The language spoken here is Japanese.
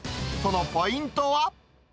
そのポイントは。